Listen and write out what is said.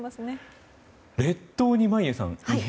列島に、眞家さん、異変？